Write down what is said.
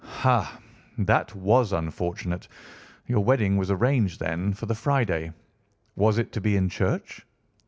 "Ha! that was unfortunate. Your wedding was arranged, then, for the Friday. Was it to be in church?"